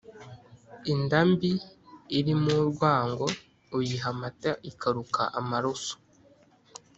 Inda mbi (irimo urwango) uyiha amata ikaruka amaroso.